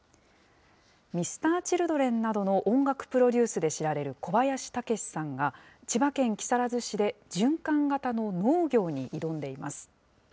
Ｍｒ．Ｃｈｉｌｄｒｅｎなどの音楽プロデュースで知られる小林武史さんが、千葉県木更津市で循環型の農業に挑んでいます。